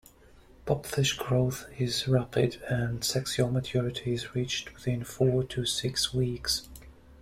Pupfish growth is rapid and sexual maturity is reached within four to six weeks.